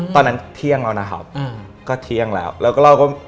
ตอนนั้นเที่ยงแล้วนะครับ